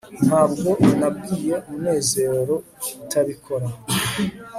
ntabwo nabwiye munezero kutabikora